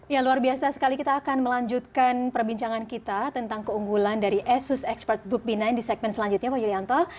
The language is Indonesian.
ya luar biasa sekali kita akan melanjutkan perbincangan kita tentang keunggulan dari asus expert book b sembilan di segmen selanjutnya pak yulianto